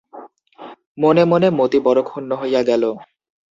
মনে মনে মতি বড় ক্ষুন্ন হইয়া গেল।